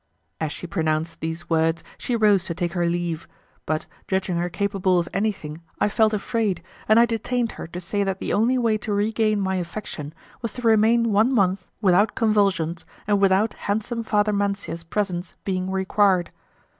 As she pronounced these words she rose to take her leave; but judging her capable of anything I felt afraid, and I detained her to say that the only way to regain my affection was to remain one month without convulsions and without handsome Father Mancia's presence being required.